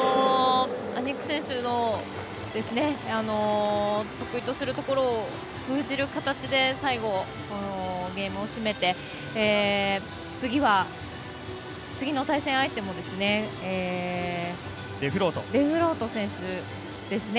アニーク選手の得意とするところを封じる形で最後、ゲームを締めて次の対戦相手もデフロート選手ですね。